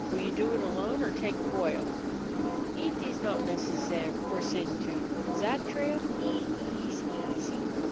Will you do it alone, or take Boyle?" "Eet is not necessaire for send two. Zat trail, he ees easy."